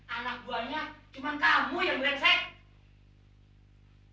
anak buahnya cuma kamu yang berleceh